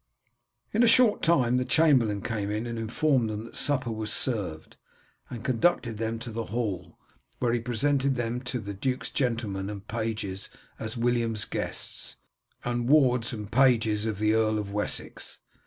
In a short time the chamberlain came in and informed them that supper was served, and conducted them to the hall, where he presented them to the duke's gentlemen and pages as William's guests, and wards and pages of the Earl of Wessex.